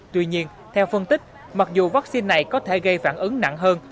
tuy nhiên theo phân tích mặc dù vaccine này có thể gây phản ứng nặng hơn